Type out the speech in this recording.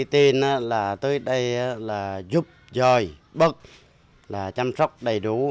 tôi tin là tới đây là giúp dời bất là chăm sóc đầy đủ